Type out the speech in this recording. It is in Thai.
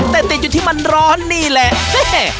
แต่ติดอยู่ที่มันร้อนนี่แหละแม่